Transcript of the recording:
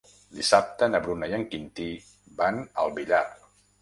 Dissabte na Bruna i en Quintí van al Villar.